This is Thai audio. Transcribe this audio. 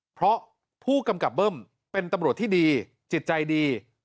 เพราะผู้กำกับเบิ้มเป็นตำรวจที่ดีจิตใจดี